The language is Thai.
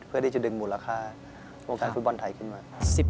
เพื่อที่จะดึงมูลค่าวงการฟุตบอลไทยขึ้นมา